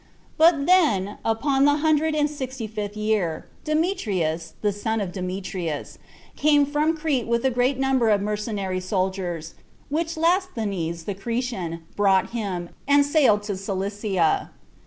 3. But then, upon the hundred and sixty fifth year, Demetrius, the son of Demetrius, came from Crete with a great number of mercenary soldiers, which Lasthenes, the Cretian, brought him, and sailed to Cilicia.